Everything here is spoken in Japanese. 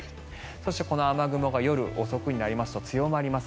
そして、この雨雲が夜遅くになりますと強まります。